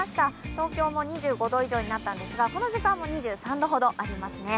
東京も２５度以上になったんですが、この時間も２３度ほどありますね。